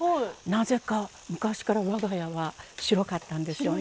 なぜか昔から我が家は白かったんですよね。